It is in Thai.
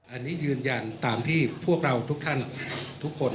อันนี้ยืนยันตามที่พวกเราทุกท่านทุกคน